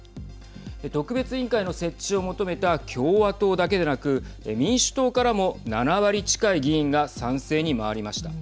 特別委員会の設置を求めた共和党だけでなく民主党からも７割近い議員が賛成に回りました。